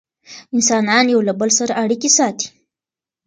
انسانان یو له بل سره اړیکې ساتي.